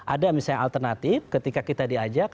ada misalnya alternatif ketika kita diajak